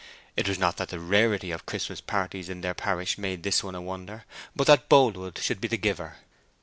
It was not that the rarity of Christmas parties in the parish made this one a wonder, but that Boldwood should be the giver.